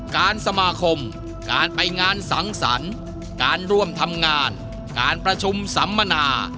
การสมาคมการไปงานสังสรรค์การร่วมทำงานการประชุมสัมมนา